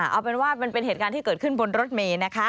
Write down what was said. เอาเป็นว่ามันเป็นเหตุการณ์ที่เกิดขึ้นบนรถเมย์นะคะ